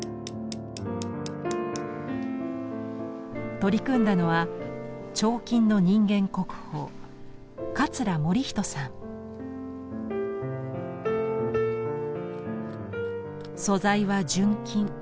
取り組んだのは彫金の素材は純金。